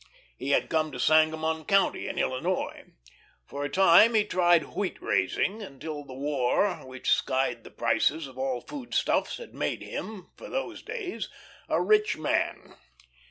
He had come to Sangamon County in Illinois. For a time he tried wheat raising, until the War, which skied the prices of all food stuffs, had made him for those days a rich man.